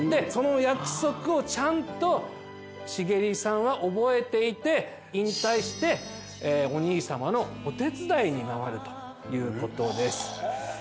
その約束をちゃんと繁理さんは覚えていて、引退して、お兄様のお手伝いに回るということです。